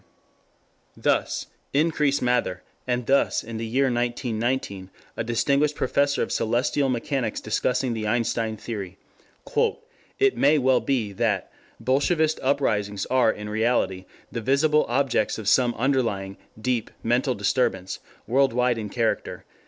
] Thus Increase Mather, and thus in the year 1919 a distinguished Professor of Celestial Mechanics discussing the Einstein theory: "It may well be that.... Bolshevist uprisings are in reality the visible objects of some underlying, deep, mental disturbance, world wide in character....